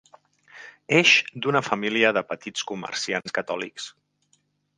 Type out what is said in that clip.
Eix d'una família de petits comerciants catòlics.